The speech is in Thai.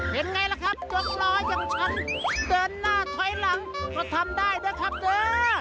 เป็นไงล่ะครับยกล้อยังช้ำเดินหน้าถอยหลังก็ทำได้ด้วยครับเด้อ